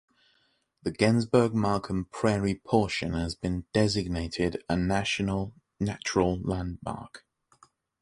The Gensburg-Markham Prairie portion has been designated a National Natural Landmark.